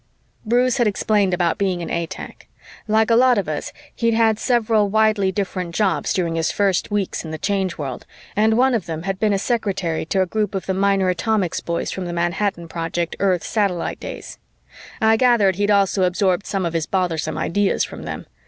Bruce had explained about being an A tech. Like a lot of us, he'd had several widely different jobs during his first weeks in the Change World and one of them had been as secretary to a group of the minor atomics boys from the Manhattan Project Earth Satellite days. I gathered he'd also absorbed some of his bothersome ideas from them.